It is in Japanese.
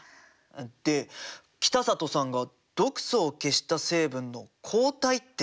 で北里さんが毒素を消した成分の「抗体」って何？